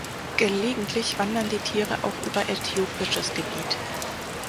Gelegentlich wandern die Tiere auch über äthiopisches Gebiet.